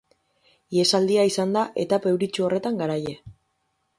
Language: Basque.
Ihesaldia izan da etapa euritsu horretan garaile.